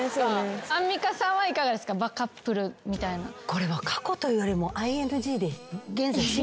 これ過去というよりも。